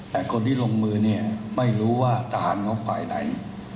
แต่คนที่ลงมือเนี่ยไม่รู้ว่าทหารของฝ่ายไหน